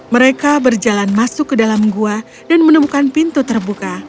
mereka berjalan masuk ke dalam gua dan menemukan pintu terbuka